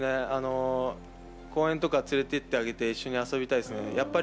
公園とか連れて行ってあげて、一緒に遊びたいですね。